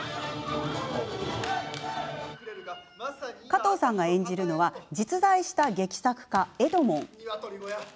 加藤さん演じるのは実在した劇作家エドモン。